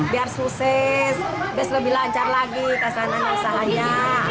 biar sukses biar lebih lancar lagi kesalahannya